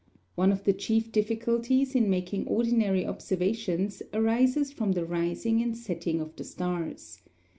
One of the chief difficulties in making ordinary observations arises from the rising and setting of the stars.